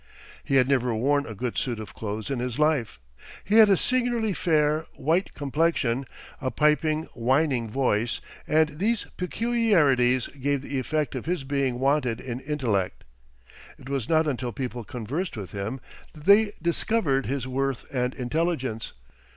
He had never worn a good suit of clothes in his life. He had a singularly fair, white complexion, a piping, whining voice, and these peculiarities gave the effect of his being wanting in intellect. It was not until people conversed with him that they discovered his worth and intelligence.